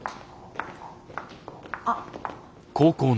あっ。